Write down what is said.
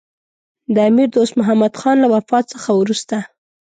د امیر دوست محمدخان له وفات څخه وروسته.